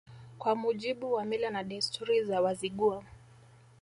Kwa mujibu wa mila na desturi za Wazigua